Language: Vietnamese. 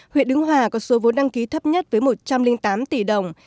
huyện đứng hòa có số vốn đăng ký thấp nhất với một trăm linh tám tỷ đồng